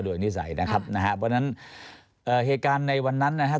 โดยนิสัยนะครับนะฮะเพราะฉะนั้นเอ่อเหตุการณ์ในวันนั้นนะครับ